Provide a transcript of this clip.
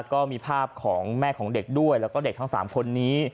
ก็มีภาพของแม่ของเด็กด้วยแล้วก็เด็กทั้ง๓คนนี้